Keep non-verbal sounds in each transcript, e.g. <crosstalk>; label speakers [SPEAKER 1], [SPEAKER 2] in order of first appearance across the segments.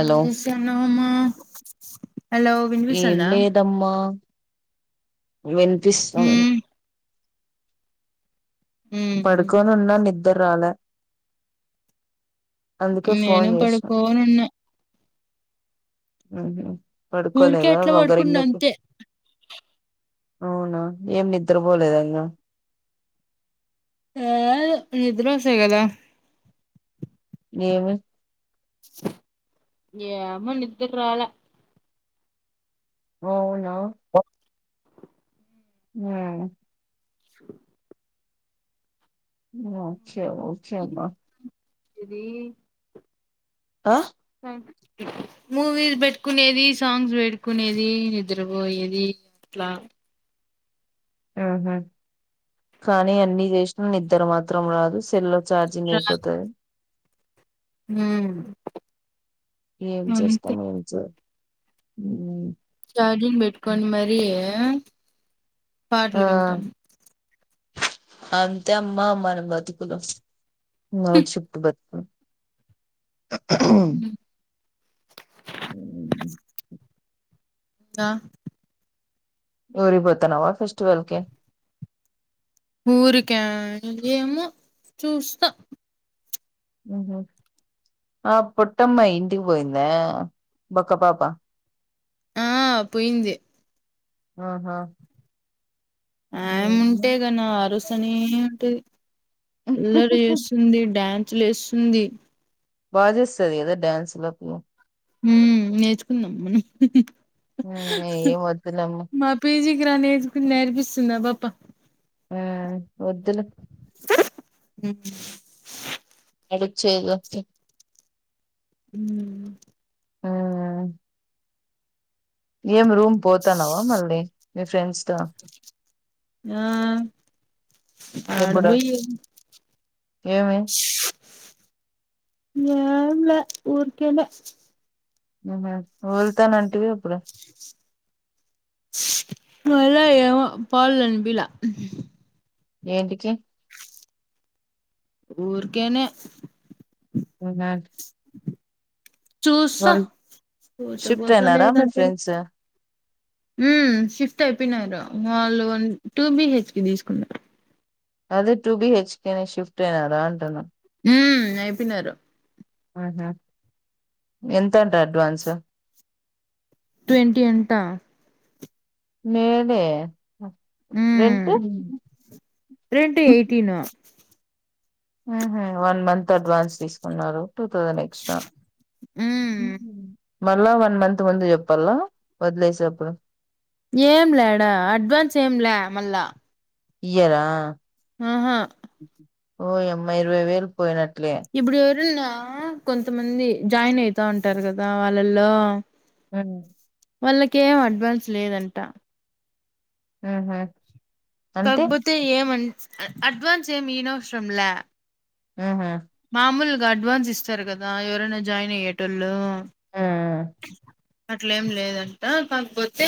[SPEAKER 1] ఏం చేస్తానావ్ అమ్మ
[SPEAKER 2] ఏం వినిపిస్తాంది
[SPEAKER 1] ఉమ్ ఉమ్
[SPEAKER 2] పడుకొని ఉన్నా నిద్దర రాల అందుకే ఫోన్
[SPEAKER 1] నేను
[SPEAKER 2] చేసినా
[SPEAKER 1] పడుకోనున్నా
[SPEAKER 2] ఉహు
[SPEAKER 1] ఊరికే
[SPEAKER 2] పడుకోలేదా
[SPEAKER 1] అట్లా
[SPEAKER 2] వగరింగ్
[SPEAKER 1] పడుకున్నా
[SPEAKER 2] నకు
[SPEAKER 1] అంతే
[SPEAKER 2] <inaudible> అవునా ఏం నిద్రబోలేదా ఇంగా.?
[SPEAKER 1] లేదు నిద్రొసే గదా. !
[SPEAKER 2] ఏమి.?
[SPEAKER 1] ఏమొ నిద్దుట్రాల.
[SPEAKER 2] అవునా. ! న్హా. ఆ చ్చే వొచ్చే అమ్మ.
[SPEAKER 1] ఇదీ.
[SPEAKER 2] ఆః
[SPEAKER 1] హమ్ మూవీస్ బెట్ట్కునేది, సాంగ్స్ బెట్కునేది, నిద్రబోయేది. ఇట్లా.
[SPEAKER 2] ఆహా. ! కానీ అన్ని జేసిన నిద్దరా మాత్రం రాదు సెల్ల్. చార్జీంగ్
[SPEAKER 1] రాదు.
[SPEAKER 2] ఐపోతది.
[SPEAKER 1] ఉమ్
[SPEAKER 2] ఏం
[SPEAKER 1] అంతే
[SPEAKER 2] చూస్తమ్ ఏం చూడ. ఊమ్మ్.
[SPEAKER 1] చార్జింగ్ బెట్ట్కొండ్ మరీ. పాట్లు వింటాను.
[SPEAKER 2] అంత్తెమ్మా మన బతుకులు. నైట్ షిఫ్ట్ బతుకులు.
[SPEAKER 1] హ్మ్.
[SPEAKER 2] ఉ
[SPEAKER 1] న్హా.
[SPEAKER 2] ఊరిబోతనావా ఫెస్టివల్కి.?
[SPEAKER 1] ఊరికా. ! ఏమో చూస్తా. !
[SPEAKER 2] ఉహూ. ఆ పొట్టమ్మా ఇంటికి బోయిందా.? బక్క పాపా. !
[SPEAKER 1] ఆ పోయింది.
[SPEAKER 2] ఆహా.
[SPEAKER 1] ఆయమూంటే
[SPEAKER 2] ఉమ్.
[SPEAKER 1] గనా అరుసనే ఉంటది. అల్లరి ఏస్తుంది, డ్యాన్సులెసుంది.
[SPEAKER 2] బా జేస్తాది గదా డాన్సులాపిల్ల. !
[SPEAKER 1] ఊ. నేర్చుకుందాం మనం హూహూ.
[SPEAKER 2] ఏం వద్దులేమ్మా
[SPEAKER 1] మా పిజీకి రా నేర్చుకుని నేర్పిస్తుందాపాప.
[SPEAKER 2] ఆ వద్దులే.
[SPEAKER 1] ఊ.
[SPEAKER 2] <unintelligible>
[SPEAKER 1] ఊమ్మ్.
[SPEAKER 2] ఉమ్ ఏం రూమ్ పోతాన్నావా మళ్ళీ మీ ఫ్రెండ్స్ తో.?
[SPEAKER 1] ఆ
[SPEAKER 2] ఏబ్బుడూ.?
[SPEAKER 1] ఆడబోయి
[SPEAKER 2] ఏమీ.?
[SPEAKER 1] ఏంలే. ఊర్కేనే.
[SPEAKER 2] ఊహు వెళ్తానంటివి అప్పుడు.? !
[SPEAKER 1] మళ్ళా ఏమొ పోవాలన్పిలా.
[SPEAKER 2] ఏంటికి.?
[SPEAKER 1] ఊర్కేనే.
[SPEAKER 2] <unintelligible>
[SPEAKER 1] చూస్సా
[SPEAKER 2] వాళ్ళు
[SPEAKER 1] పొతే
[SPEAKER 2] షిఫ్ట్
[SPEAKER 1] బోతా
[SPEAKER 2] అయినారా మీ
[SPEAKER 1] లేదంటే లే.
[SPEAKER 2] ఫ్రెండ్స్
[SPEAKER 1] ఊ షిఫ్ట్ అయిపోయినారు వాళ్ళు అన్ టూబిహెచ్కే దీస్కున్నారు.
[SPEAKER 2] అదే టుబిహెచ్కేనే షిఫ్ట్ ఐనారా అంటానా.
[SPEAKER 1] ఊ అయిపోయినారు.
[SPEAKER 2] ఆహ ఎంతంట అడ్వాన్స్
[SPEAKER 1] ట్వంటీ అంటా
[SPEAKER 2] మేలే రెంట్
[SPEAKER 1] హ్మ్ రెండు ఎయిటీన్
[SPEAKER 2] ఉహు వన్ మంత్ అడ్వాన్స్ తీసుకున్నారు. టూ తౌసండ్ ఎక్స్టా
[SPEAKER 1] మ్మ్
[SPEAKER 2] మళ్ళా వన్ మంత్ ముందు చెప్పాల, వదిలేసేప్పుడు
[SPEAKER 1] ఏంలేడా, అడ్వాన్స్ ఏంలే మళ్ళా
[SPEAKER 2] ఇయ్యరా
[SPEAKER 1] ఆహా
[SPEAKER 2] ఓయమ్మ ఇరవై వేలు పోయిన
[SPEAKER 1] ఇప్పుడు ఎవరన్నా కొంతమంది జాయిన్ అయితా ఉంటారు కదా వాళ్ళల్లో
[SPEAKER 2] ఆ
[SPEAKER 1] వాళ్ళకేం అడ్వాన్స్ లేదంట
[SPEAKER 2] ఊహు
[SPEAKER 1] కాకపోతే ఏమన్ అడ్వాన్స్ ఏం ఇయనవసరం లా
[SPEAKER 2] ఆహా
[SPEAKER 1] మాములుగా అడ్వాన్స్ ఇస్తారు కదా ఎవరైనా జాయిన్ అయ్యేటోళ్ళు
[SPEAKER 2] ఆ
[SPEAKER 1] అట్లేం లేదంట కాకపోతే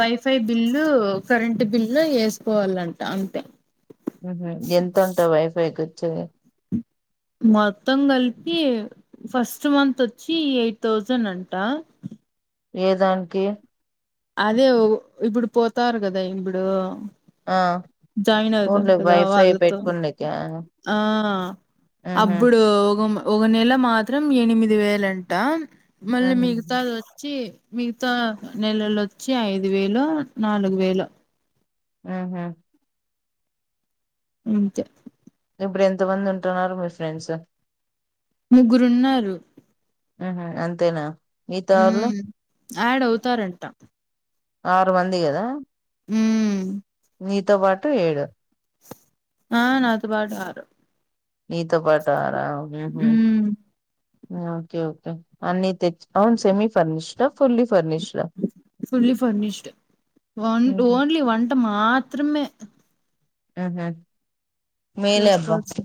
[SPEAKER 1] వైఫై బిల్లు కరెంట్ బిల్లు ఏసుకోవాలంట అంతే
[SPEAKER 2] ఉహు ఎంతంటా వైఫైకొచ్చే
[SPEAKER 1] మొత్తం కలిపి, ఫస్ట్ మంత్ వచ్చి ఎయిట్ థౌజండ్ అంట
[SPEAKER 2] ఏదానికి
[SPEAKER 1] అదే ఇప్పుడు పోతారు కదా ఇప్పుడు
[SPEAKER 2] ఆ
[SPEAKER 1] జాయిన్ అవుతా
[SPEAKER 2] ఓన్లీ
[SPEAKER 1] కదా
[SPEAKER 2] వైఫై
[SPEAKER 1] వాళ్ళతో
[SPEAKER 2] పెట్టుకునేకా
[SPEAKER 1] ఆ
[SPEAKER 2] ఉహు
[SPEAKER 1] అప్పుడు ఒక మ ఒక నెల మాత్రం ఎనిమిది వేలంట మళ్ళీ
[SPEAKER 2] ఉహు
[SPEAKER 1] మిగతాది వచ్చి మిగతా నెలలొచ్చి ఐదు వేలో నాలుగు వేలో
[SPEAKER 2] ఆహా
[SPEAKER 1] అంతే
[SPEAKER 2] ఇప్పుడు ఎంత మంది ఉంటున్నారు మీ ఫ్రెండ్స్
[SPEAKER 1] ముగ్గురున్నారు
[SPEAKER 2] ఆహ అంతేనా మిగతా వాళ్ళు
[SPEAKER 1] ఉమ్ యాడ్ అవుతారంట
[SPEAKER 2] ఆరుమంది కదా
[SPEAKER 1] ఊమ్
[SPEAKER 2] నీతో పాటు ఏడు
[SPEAKER 1] ఆ నాతో పాటు ఆరు
[SPEAKER 2] నీతో పాటు ఆరా ఉహూ
[SPEAKER 1] ఉమ్
[SPEAKER 2] ఓకే ఓకే అన్ని తెచ్ అవును సెమీ ఫర్నిష్డా ఫుల్లీ ఫర్నిష్డా
[SPEAKER 1] ఫుల్లీ ఫర్నిష్డ్ వన్
[SPEAKER 2] ఉహు
[SPEAKER 1] ఓన్లీ వన్ మాత్రమే
[SPEAKER 2] ఉహూ
[SPEAKER 1] చేసుకోవచ్చు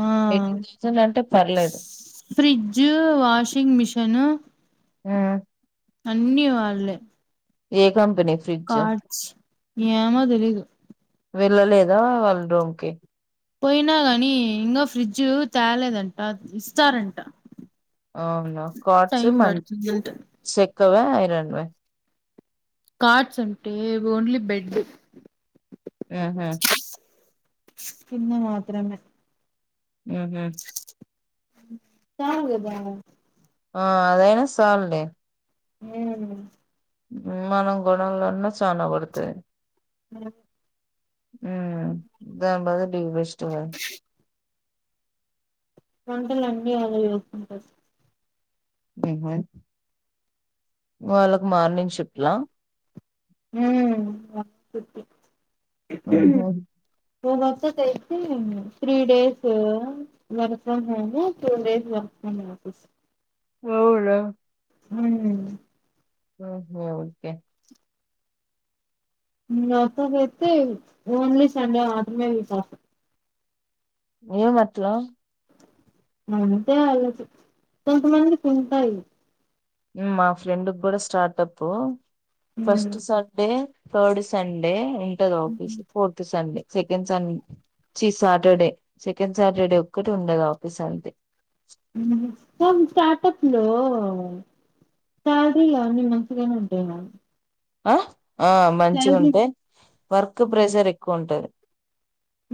[SPEAKER 1] ఆ
[SPEAKER 2] ఎయిటీన్ థౌసండ్ అంటే పర్లేదు
[SPEAKER 1] ఫ్రిడ్జ్ వాషింగ్ మిషన్
[SPEAKER 2] ఊ
[SPEAKER 1] అన్ని వాళ్ళే
[SPEAKER 2] ఏ కంపెనీ ఫ్రిడ్జ్
[SPEAKER 1] కాట్స్ ఏమో తెలీదు
[SPEAKER 2] వెళ్ళలేదా వాళ్ళ రూమ్కి
[SPEAKER 1] పోయినా గాని ఇంగా ఫ్రిడ్జ్ తేలేదంట, ఇస్తారంట.
[SPEAKER 2] అవునా కార్ట్స్
[SPEAKER 1] టైం
[SPEAKER 2] మ
[SPEAKER 1] పడుతుందంట
[SPEAKER 2] చెక్కవా, ఐరన్వా?
[SPEAKER 1] కార్ట్స్ అంటే ఓన్లీ బెడ్.
[SPEAKER 2] ఆహా
[SPEAKER 1] కింద మాత్రమే.
[SPEAKER 2] హుహ్
[SPEAKER 1] చాలుగదా
[SPEAKER 2] ఆ అదైనా సాలులే.
[SPEAKER 1] ఏ <inaudible>
[SPEAKER 2] మనం గొనాలన్నా చానా పడతది.
[SPEAKER 1] అ
[SPEAKER 2] హ్మ్ దాని బదులు ఇది బెస్ట్ కదా.
[SPEAKER 1] వంటలు అన్నీ ఎలా చేసుకుంటారు.
[SPEAKER 2] హుహ్ వాళ్ళకు మార్నింగ్ షిప్ట్ లా.
[SPEAKER 1] హ్ ఫస్ట్ షిప్టి.
[SPEAKER 2] ఉహు.
[SPEAKER 1] మూడు రోజులు చెయిచ్చి three days work from home, two days work from office.
[SPEAKER 2] అవునా.
[SPEAKER 1] హ్మ్
[SPEAKER 2] ఆహా ఓకే.
[SPEAKER 1] నాతోనైతే ఓన్లీ సండే మాత్రమే వీక్ ఆఫ్.
[SPEAKER 2] ఏమి అట్లో
[SPEAKER 1] అంతే ఆళ్ళకి కొంతమందికి ఉంటాయి.
[SPEAKER 2] మా ఫ్రెండ్ కూడా startup first Saturday third Sunday ఉంటది ఆఫీస్ ఫోర్త్ సండే సెకండ్ సం చి సాటర్డే సెకండ్ సాటర్డే ఒక్కటి ఉండదు ఆఫీస్ అంతే.
[SPEAKER 1] పుహ్ మొత్తం స్టార్టప్ లో సాలరీలు అవన్ని మంచిగనే ఉంటయిగా.
[SPEAKER 2] ఆ ఆ మంచిగా ఉంటయి వర్క్ ప్రెజర్ ఎక్కువ ఉంటది.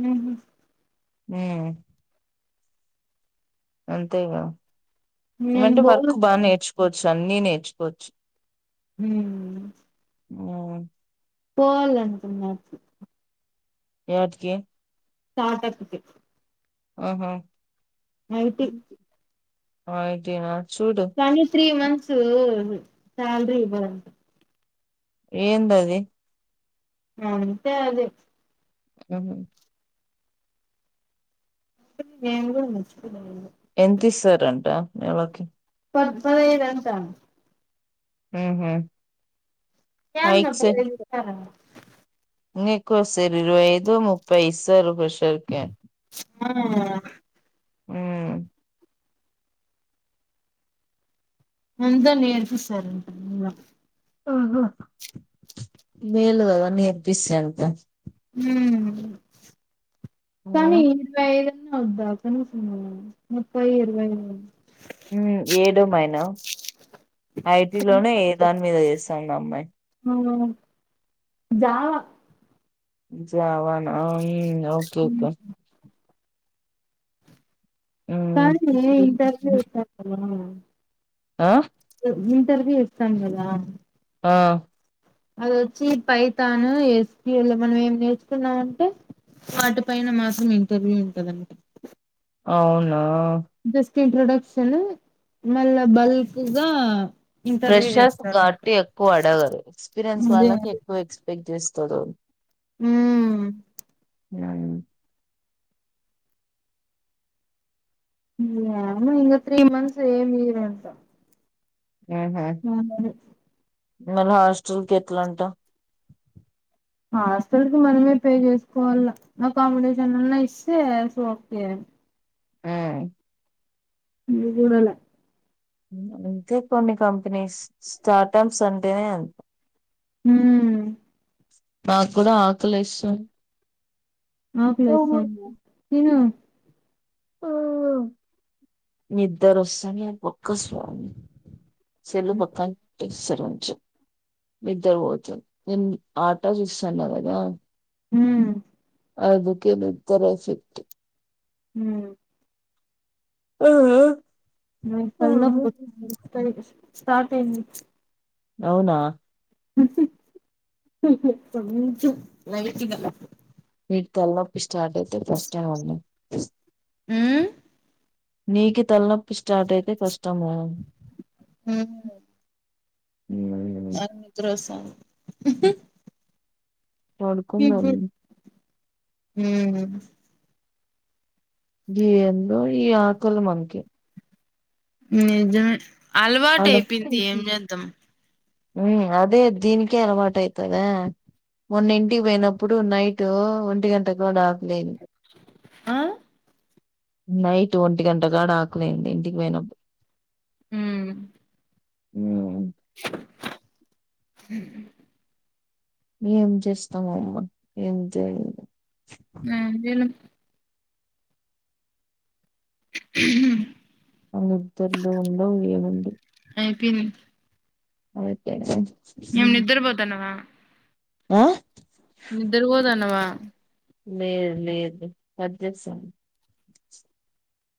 [SPEAKER 1] హుహ్
[SPEAKER 2] హ్ అంతేగా
[SPEAKER 1] నేను
[SPEAKER 2] ఏమంటే వర్క్
[SPEAKER 1] పోవాలనుకున్నా
[SPEAKER 2] బానేర్చుకోవచ్చు. అన్నీ నేర్చుకోవచ్చు.
[SPEAKER 1] హ్మ్
[SPEAKER 2] హ్
[SPEAKER 1] పోవాలనున్నా <inaudible>
[SPEAKER 2] ఏటికి
[SPEAKER 1] స్టార్టప్ కి
[SPEAKER 2] ఆహా
[SPEAKER 1] ఐటీ
[SPEAKER 2] ఐటీనా చూడు
[SPEAKER 1] కానీ త్రీమంత్స్ సాలరీ ఇవ్వరంటా.
[SPEAKER 2] ఏందది.
[SPEAKER 1] అంతే అది.
[SPEAKER 2] హుహ్
[SPEAKER 1] నేను కూడా మంచిపిల్లనే
[SPEAKER 2] ఎంత ఇస్తరంట నెలకి.
[SPEAKER 1] పది పదైదు అంటా.
[SPEAKER 2] ఆహా
[SPEAKER 1] ఏంది అబ్బా <unintelligible>
[SPEAKER 2] నీకో సెరీ ఇరవై ఐదు, ముప్పై ఇస్సర్రు పషూకే
[SPEAKER 1] ఆహ్
[SPEAKER 2] హ్మ్
[SPEAKER 1] అంతా నేర్పిసారంట <unintelligible>
[SPEAKER 2] మేలు కద నేర్పిసే అంత
[SPEAKER 1] ఉమ్ కానీ
[SPEAKER 2] ఉమ్
[SPEAKER 1] ఇరువైళ్ళు నోద్దాక చూసున్నావ్ ముప్పై ఏడువేలు
[SPEAKER 2] ట్ మైనా ఐటీ లోనే ఏ దాని మీద చేస్తాన్దా. అమ్మాయి
[SPEAKER 1] అవునవున్ జావా
[SPEAKER 2] మంచిగావానా ఈ ఆ ఓకే ఓకే ఉమ్
[SPEAKER 1] కానీ ఇంటర్వ్యూ
[SPEAKER 2] ఆ
[SPEAKER 1] ఇస్తాం గాదా.
[SPEAKER 2] ఆ
[SPEAKER 1] అదొచ్చి పైతాను ఎస్పి వొళ్ళం మనం ఏం నేర్చుకున్నామంటే. పాట పైన మాత్రం. ఇంటర్వ్యూ ఉంటదనమాటా.
[SPEAKER 2] అవునా
[SPEAKER 1] ఇన్ట్రడక్షన్ మళ్ళా బల్క్ గా ఇంటర్వ్యూ
[SPEAKER 2] ఫ్రెషర్ప్
[SPEAKER 1] చేస్తారు
[SPEAKER 2] గావ్ట్టి ఎక్కువ అడగరు ఎక్స్పీరియన్స్
[SPEAKER 1] అదే
[SPEAKER 2] వాళ్ళకి ఎక్కువ ఎక్స్పెక్ట్ చేస్ స్తారు
[SPEAKER 1] హ్మ్
[SPEAKER 2] నాయుమ్
[SPEAKER 1] యామో ఇంగా త్రీ మంత్స్ ఏమియరాంట. నో మరి
[SPEAKER 2] మళ్ళ హాస్టల్కి ఎట్లాంట.
[SPEAKER 1] హాస్టల్ కి మనమే పే చేసుకోవాళ్ళ. అ అకామిడేషల్న్న ఇస్తే. సో ఓకే
[SPEAKER 2] ఉహ్
[SPEAKER 1] ఇల్లు జూడాల
[SPEAKER 2] అంతే కొన్ని కంపెనీస్ స్టార్టప్స్ అంటేనే అంత.
[SPEAKER 1] ఉహ్మ్
[SPEAKER 2] నాక్ గూడా ఆకలేస్తుంద్
[SPEAKER 1] ఆకలేస్తాందా తిను
[SPEAKER 2] నిద్ధరోసమి పక్క స్వామీ సెళ్ళు పక్కాన్ స్తారు. కొంచం నిద్దరు పోతుంది. నేను ఆట చూస్తాన్నా కదా.
[SPEAKER 1] ఉహ్మ్
[SPEAKER 2] అందుకే నిద్దర్ ఎఫిక్ట్
[SPEAKER 1] ఉహ్మ్
[SPEAKER 2] ఆహ్ ఆ
[SPEAKER 1] నిక్ తల్ల్నోప్ ఇప్డే స్టార్ట్ అయింది.
[SPEAKER 2] అవునా
[SPEAKER 1] ఎపనుంచో లైట్ గా
[SPEAKER 2] ఈ తల్నొప్పి స్టార్ట్ అయితే కష్టం. అమ్మ
[SPEAKER 1] ఉమ్
[SPEAKER 2] నీకి తల్నోపీ స్టార్ట్ అయితే కష్టము. ఏమా
[SPEAKER 1] నాక్ నిద్రొస్తంద్
[SPEAKER 2] పండుకొమలి
[SPEAKER 1] ఉమ్ హు
[SPEAKER 2] ఎందో ఈ ఆకాలి మనకి
[SPEAKER 1] నిజమే అలవాటు అయిపోయింది. ఏం చేద్దాం.
[SPEAKER 2] ఉ అదే దీనకే అలవాటు అయితద మొన్న ఇంటికి పోయినప్పుడు నైట్ ఒంటి గంటకు కూడా ఆకలేదు
[SPEAKER 1] ఆ
[SPEAKER 2] నైట్ ఒంటి గంటగాడ ఆకలయింది ఇంటికి పోయినప్పుడు
[SPEAKER 1] మ్మ్
[SPEAKER 2] మ్మ్
[SPEAKER 1] హ
[SPEAKER 2] ఏం చేస్తామ అమ్మ ఏం చేయ
[SPEAKER 1] <unintelligible> హ
[SPEAKER 2] ఆ నిద్దర్లు ఉండవ్ ఎం ఉండవ్
[SPEAKER 1] అయిపొయింది
[SPEAKER 2] <unintelligible>
[SPEAKER 1] ఎం నిద్రపోతాన్నావా
[SPEAKER 2] ఆ
[SPEAKER 1] నిద్దరపోదన్నవా
[SPEAKER 2] లేదు లేదు కట్ జెస్తన్నా